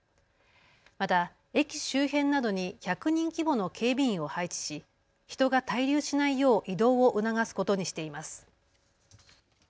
また駅周辺などに１００人規模の警備員を配置し人が滞留しないよう移動を促すことにしています。